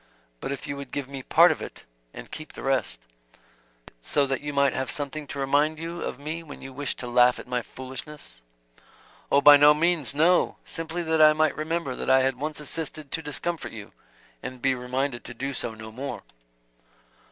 But if you would give me part of it and keep the rest " "So that you might have something to remind you of me when you wished to laugh at my foolishness?" "Oh, by no means, no! Simply that I might remember that I had once assisted to discomfort you, and be reminded to do so no more."